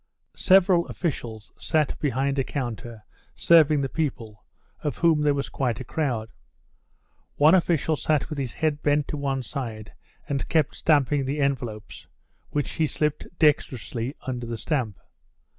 Several officials sat behind a counter serving the people, of whom there was quite a crowd. One official sat with his head bent to one side and kept stamping the envelopes, which he slipped dexterously under the stamp.